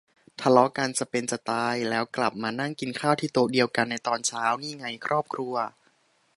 ทะเลาะกันจะเป็นจะตาย แล้วกลับมานั่งกินข้าวที่โต๊ะเดียวกันในตอนเช้า นี่ไง ครอบครัว